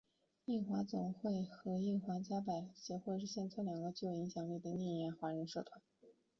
印华总会和印华百家姓协会是现存两个较具影响力的印尼华人社团。